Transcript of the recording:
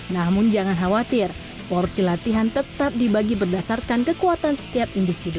namun jangan khawatir porsi latihan tetap dibagi berdasarkan kekuatan setiap individu